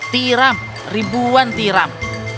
tiram ribuan tiram